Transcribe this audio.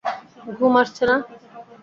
ঘুম আসছে না?